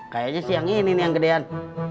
kayaknya sih yang ini nih yang gedean